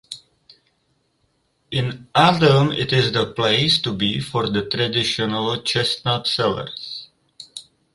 In autumn it is the place to be for the traditional chestnut sellers.